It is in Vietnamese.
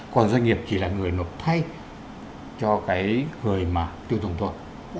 còn doanh nghiệp chỉ là người nộp thay cho người tiêu dùng thôi